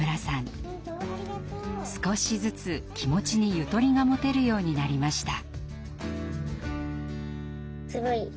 少しずつ気持ちにゆとりが持てるようになりました。